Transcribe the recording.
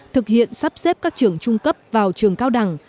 thực hiện sắp xếp các trường trung cấp vào trường cao đẳng